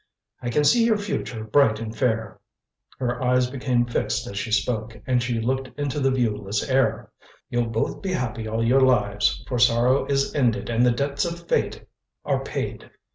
I can see your future bright and fair." Her eyes became fixed as she spoke, and she looked into the viewless air. "You'll both be happy all your lives, for sorrow is ended and the debts of Fate are paid.